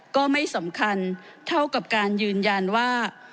ก็ไม่สำคัญเท่ากับการยืนยันว่า